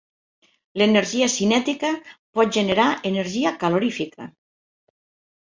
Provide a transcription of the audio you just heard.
L'energia cinètica pot generar energia calorífica.